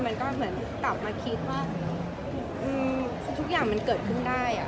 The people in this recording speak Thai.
มันก็เหมือนกลับมาคิดว่าทุกอย่างมันเกิดขึ้นได้